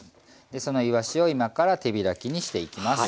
でそのいわしを今から手開きにしていきます。